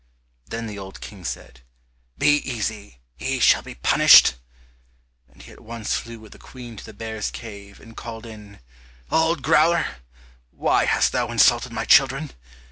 Then the old King said, "Be easy, he shall be punished," and he at once flew with the Queen to the bear's cave, and called in, "Old Growler, why hast thou insulted my children?